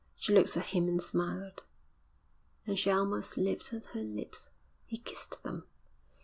She looked at him and smiled, and she almost lifted her lips. He kissed them.